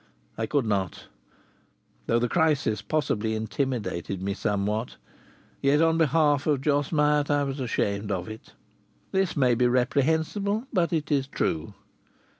I could not. Though the crisis possibly intimidated me somewhat, yet, on behalf of Jos Myatt, I was ashamed of it. This may be reprehensible, but it is true.